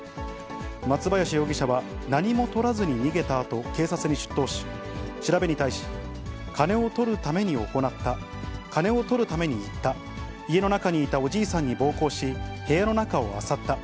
松林容疑者は、何もとらずに逃げたあと、警察に出頭し、調べに対し、金をとるために行った、金をとるために行った、家の中にいたおじいさんに暴行し、部屋の中をあさった。